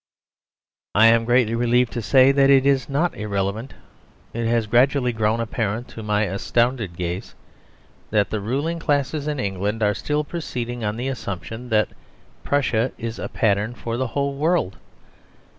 I am greatly grieved to say that it is not irrelevant. It has gradually grown apparent, to my astounded gaze, that the ruling classes in England are still proceeding on the assumption that Prussia is a pattern for the whole world.